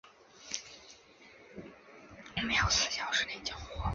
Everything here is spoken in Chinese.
我们要四小时内交货